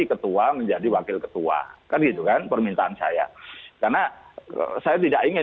kepada ketua kpk firly bahuri